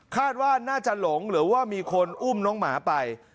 คาดว่าน่าจะหลงหรือว่ามีคนอุ้มน้องหมาไป